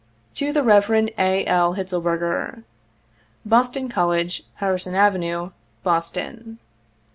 To the Rev. A. L. Hitselberger, " Boston College, Harrison Avenue, Boston.